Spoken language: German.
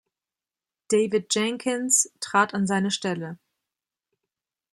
David Jenkins trat an seine Stelle.